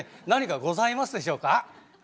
何かございますでしょうか。